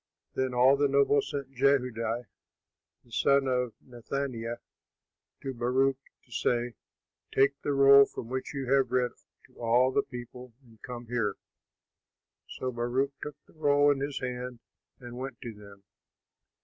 Then all the nobles sent Jehudi, the son of Nethaniah, to Baruch to say: "Take the roll from which you have read to all the people and come here." So Baruch took the roll in his hand and went to them.